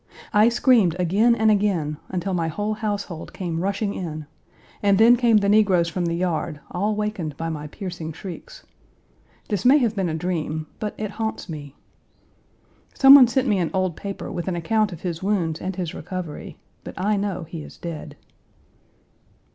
I screamed again and again until my whole household came rushing in, and then came the negroes from the yard, all wakened by my piercing shrieks. This may have been a dream, but it haunts me. "Some one sent me an old paper with an account of his wounds and his recovery, but I know he is dead."